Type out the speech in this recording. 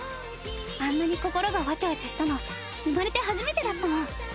あんなに心がワチャワチャしたの生まれて初めてだったもん。